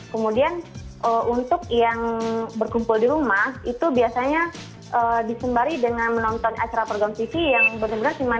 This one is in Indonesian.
kemudian untuk yang berkumpul di rumah itu biasanya disembari dengan menonton acara program tv yang benar benar cuman